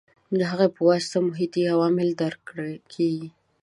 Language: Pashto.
د هغې په واسطه محیطي عوامل درک کېږي.